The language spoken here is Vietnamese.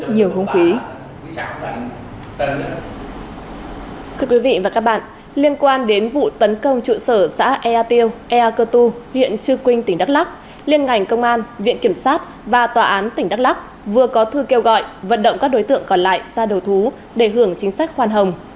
nguyễn trư quynh tỉnh đắk lắc liên ngành công an viện kiểm sát và tòa án tỉnh đắk lắc vừa có thư kêu gọi vận động các đối tượng còn lại ra đầu thú để hưởng chính sách khoan hồng